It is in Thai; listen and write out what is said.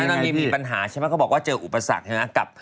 แล้วมีปัญหามันก็บอกเจออุปสรรคนะ